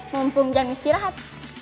mumpung jangan istirahat